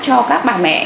cho các bà mẹ